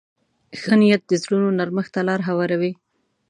ښه نیت د زړونو نرمښت ته لار هواروي.